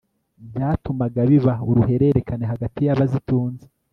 byatumaga biba uruhurerekane hagati y'abazitunze